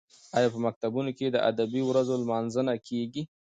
ایا په مکتبونو کې د ادبي ورځو لمانځنه کیږي؟